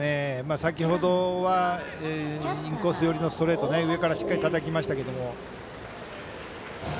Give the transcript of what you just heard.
先ほどはインコース寄りのストレートを上からしっかりたたきましたけど。